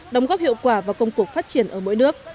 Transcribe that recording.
đóng góp hiệu quả và công cuộc phát triển ở mỗi nước